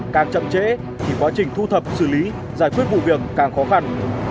càng chậm trễ thì quá trình thu thập xử lý giải quyết vụ việc càng khó khăn